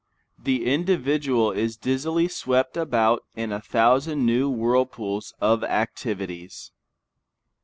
The individual is dizzily swept about in a thousand new whirlpools of activities.